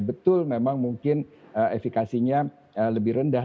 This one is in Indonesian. betul memang mungkin efekasinya lebih rendah